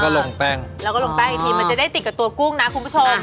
ก็ลงแป้งแล้วก็ลงแป้งอีกทีมันจะได้ติดกับตัวกุ้งนะคุณผู้ชม